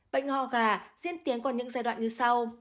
bệnh ho gà diễn tiến qua những giai đoạn như sau